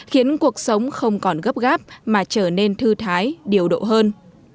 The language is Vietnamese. khiến cuộc sống không còn gấp gáp mà trở nên thư thái điều độ hơn